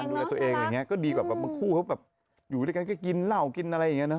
ดูแลตัวเองอย่างเงี้ก็ดีแบบบางคู่เขาแบบอยู่ด้วยกันก็กินเหล้ากินอะไรอย่างเงี้นะ